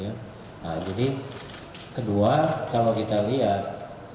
jadi kedua kalau kita lihat